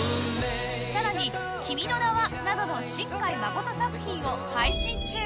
さらに『君の名は。』などの新海誠作品を配信中